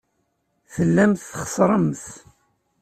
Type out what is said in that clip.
Tellamt txeṣṣremt.